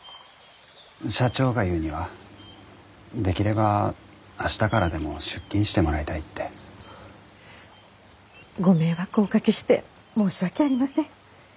社長が言うには「できれば明日からでも出勤してもらいたい」って。ご迷惑をおかけして申し訳ありません。